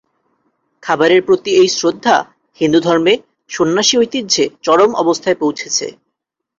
খাবারের প্রতি এই শ্রদ্ধা হিন্দুধর্মে সন্ন্যাসী ঐতিহ্যে চরম অবস্থায় পৌঁছেছে।